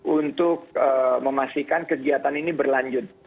untuk memastikan kegiatan ini berlanjut